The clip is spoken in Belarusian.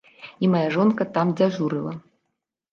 І мая жонка там дзяжурыла.